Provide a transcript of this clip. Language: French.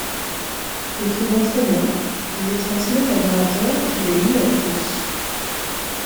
Le trouvant très bien, il les transmet à l'orateur qui les lus à tous.